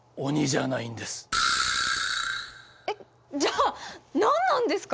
えっ？じゃあ何なんですか？